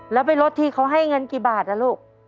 แล้วไปลดที่เขาให้เงินกี่บาทนะลูก